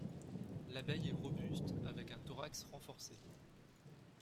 L'abeille est robuste, avec un thorax renforcé.